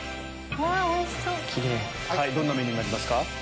どんなメニューになりますか？